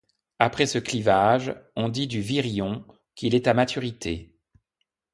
Après ce clivage, on dit du virion qu’il est à maturité.